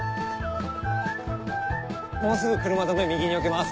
もうすぐ車止め右によけます。